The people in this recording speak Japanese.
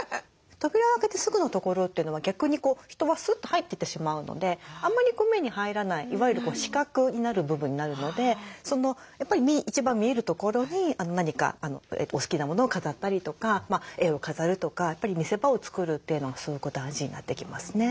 扉を開けてすぐの所というのは逆に人はスッと入ってってしまうのであまり目に入らないいわゆる死角になる部分になるのでやっぱり一番見える所に何かお好きなものを飾ったりとか絵を飾るとかやっぱり見せ場を作るというのがすごく大事になってきますね。